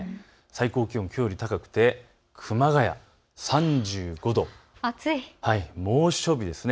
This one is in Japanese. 最高気温はきょうより高くて熊谷３５度、猛暑日です。